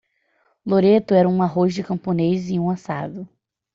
Loreto era um arroz de camponês e um assado.